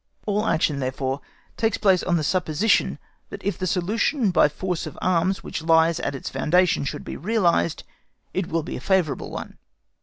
All action, therefore, takes place on the supposition that if the solution by force of arms which lies at its foundation should be realised, it will be a favourable one.